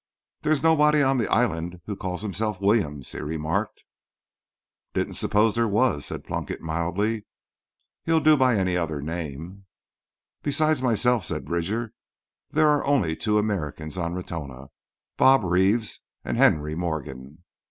"There's nobody on the island who calls himself 'Williams,'" he remarked. "Didn't suppose there was," said Plunkett mildly. "He'll do by any other name." "Besides myself," said Bridger, "there are only two Americans on Ratona—Bob Reeves and Henry Morgan."